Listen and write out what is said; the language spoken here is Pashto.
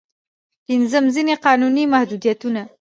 پنځم: ځينې قانوني محدودیتونه.